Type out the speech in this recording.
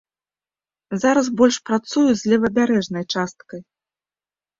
Зараз больш працую з левабярэжнай часткай.